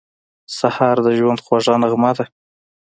سهار د ژوند خوږه نغمه ده.